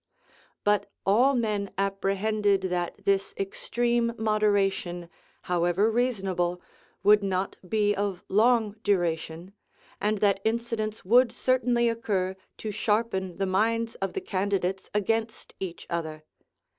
lib. xiii. But all men apprehended that this extreme moderation, however reasonable, would not be of long duration; and that incidents would certainly occur to sharpen the minds of the candidates against each other.